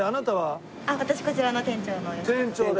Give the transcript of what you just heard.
私こちらの店長の。